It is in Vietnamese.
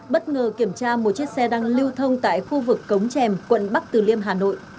bất ngờ kiểm tra một chiếc xe đang lưu thông tại khu vực cống trèm quận bắc từ liêm hà nội